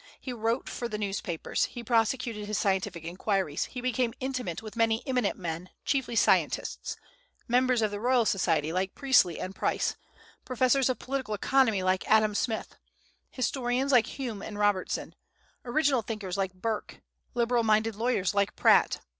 He wrote for the newspapers; he prosecuted his scientific inquiries; he became intimate with many eminent men, chiefly scientists, members of the Royal Society like Priestley and Price, professors of political economy like Adam Smith, historians like Hume and Robertson, original thinkers like Burke, liberal minded lawyers like Pratt.